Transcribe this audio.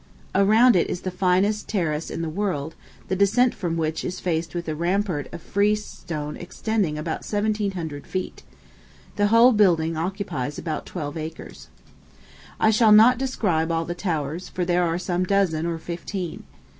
Around it is the finest, terrace in the world, the descent from which is faced with a rampart of freestone extending about seventeen hundred feet. The whole building occupies about twelve acres. I shall not describe all the towers, for there are some dozen or fifteen.